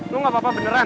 lo gak apa apa beneran